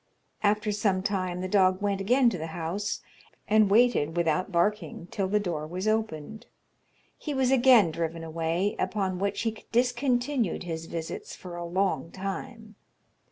After some time the dog went again to the house, and waited without barking till the door was opened. He was again driven away, upon which he discontinued his visits for a long time.